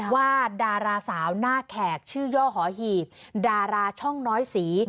ว่าดาราสาวหน้าแขกชื่อย่อหอหีบดาราช่องน้อยสี